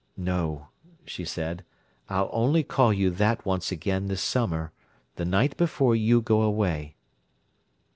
"No," she said. "I'll only call you that once again this summer—the night before you go away."